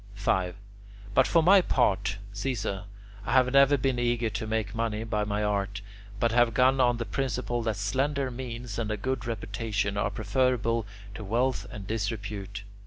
5. But for my part, Caesar, I have never been eager to make money by my art, but have gone on the principle that slender means and a good reputation are preferable to wealth and disrepute.